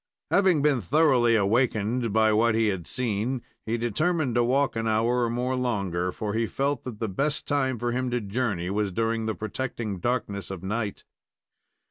Having been thoroughly awakened by what he had seen, he determined to walk an hour or more longer, for he felt that the best time for him to journey was during the protecting darkness of night.